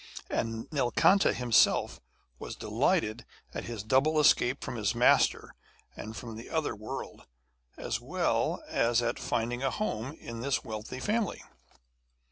And Nilkanta himself was delighted at his double escape from his master and from the other world, as well as at finding a home in this wealthy family.